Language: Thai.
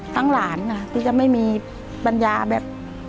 ทั้งหลานค่ะที่จะไม่มีบรรยาแบบ